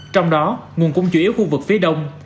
trong đó nguồn cung chủ yếu khu vực phía đông